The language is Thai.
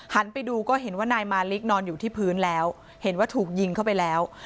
ไปดูก็เห็นว่านายมาลิกนอนอยู่ที่พื้นแล้วเห็นว่าถูกยิงเข้าไปแล้ว